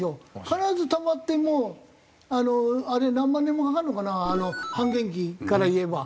必ずたまってもうあれ何万年もかかるのかな半減期からいえば。